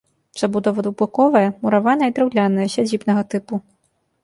Забудова двухбаковая, мураваная і драўляная, сядзібнага тыпу.